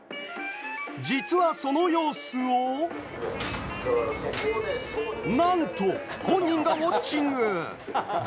実はその様子をなんと、本人がウオッチング。